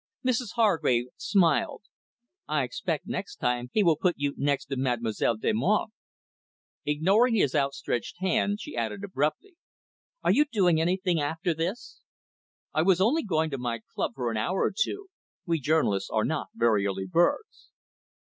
Mrs Hargrave smiled. "I expect next time he will put you next to Mademoiselle Delmonte." Ignoring his outstretched hand, she added abruptly, "Are you doing anything after this?" "I was only going on to my club for an hour or two. We journalists are not very early birds."